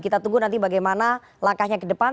kita tunggu nanti bagaimana langkahnya ke depan